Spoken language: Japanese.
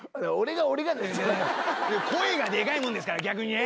声がでかいもんですから逆にね。